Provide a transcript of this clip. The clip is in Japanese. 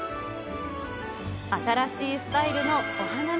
新しいスタイルのお花見。